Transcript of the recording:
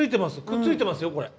くっついてますよこれ。